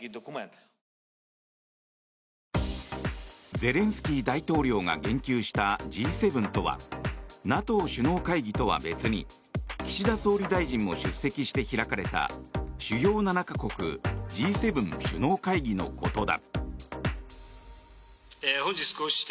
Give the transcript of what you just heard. ゼレンスキー大統領が言及したＧ７とはＮＡＴＯ首脳会議とは別に岸田総理大臣も出席して開かれた主要７か国・Ｇ７首脳会議のことだ。